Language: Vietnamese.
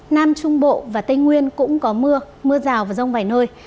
nam trung bộ và tây nguyên cũng có mưa mưa rào và rông vài nơi